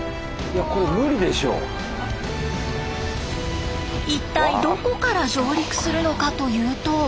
一体どこから上陸するのかというと。